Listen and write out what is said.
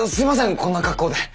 こんな格好で。